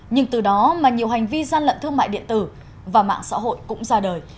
nhưng từ đó mà nhiều hành vi gian lận thương mại điện tử và mạng xã hội cũng ra đời